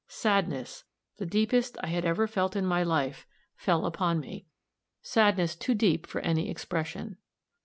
Sadness, the deepest I had ever felt in my life, fell upon me sadness too deep for any expression.